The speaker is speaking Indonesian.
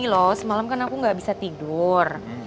ya ini loh semalam kan aku gak bisa tidur